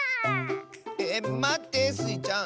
えまってスイちゃん！